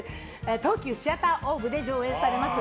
東急シアターオーブで上演されます。